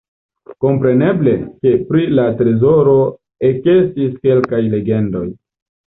Kompreneble, ke pri la trezoro ekestis kelkaj legendoj.